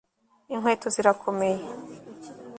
Inkweto zirakomeye